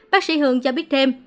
bác sĩ hường cho biết thêm